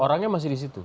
orangnya masih disitu